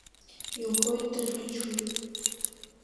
Илгоит, дырӷьычуеит!